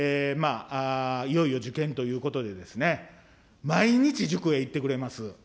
いよいよ受験ということで、毎日塾へ行ってくれます。